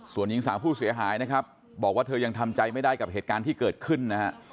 ส่วนหญิงสาวผู้เสียหายนะครับบอกว่าเธอยังทำใจไม่ได้กับเหตุการณ์ที่เกิดขึ้นนะฮะ